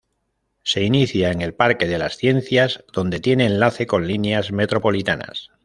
Se inicia en el Parque de las Ciencias, donde tiene enlace con líneas metropolitanas.